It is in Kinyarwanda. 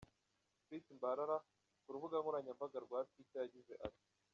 Preet Bharara ku rubuga nkoranyambaga rwa Twitter yagize ati:.